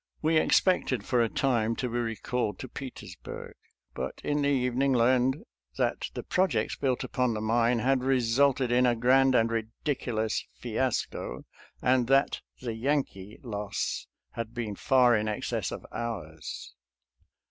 We expected for a time to be recalled to Petersburg, but in the evening learned that the projects built upon the mine had resulted in a grand and ridiculous fiasco and that the Yan kee loss had been far in excess of ours.